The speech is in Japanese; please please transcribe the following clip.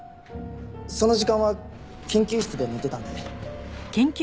その時間は研究室で寝てたんで。